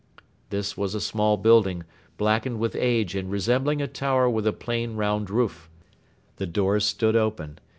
This was a small building, blackened with age and resembling a tower with a plain round roof. The doors stood open.